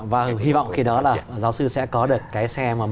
và hy vọng khi đó là giáo sư sẽ có được cái xe